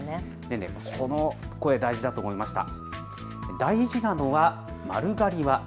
この声、大事だと思いました。